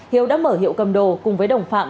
hiếu đã mở hiệu cầm đồ cùng với đồng phạm